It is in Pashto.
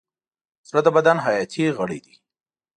زړه د بدن حیاتي غړی دی.